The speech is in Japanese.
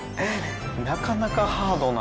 なかなかハードな。